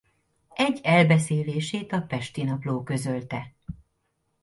Egy elbeszélését a Pesti Napló közölte.